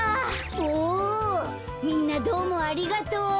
おみんなどうもありがとう。